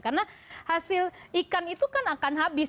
karena hasil ikan itu kan akan habis